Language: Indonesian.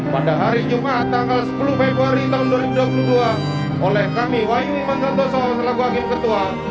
pada hari jumat tanggal sepuluh februari tahun dua ribu dua puluh dua oleh kami waindiman santoso selaku hakim ketua